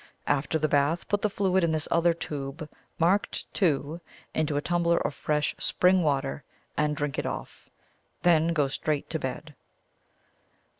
After the bath, put the fluid in this other tube marked 2, into a tumbler of fresh spring water, and drink it off. Then go straight to bed."